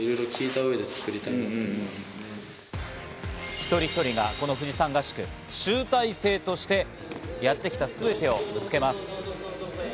一人一人がこの富士山合宿、集大成としてやってきた全てをぶつけます。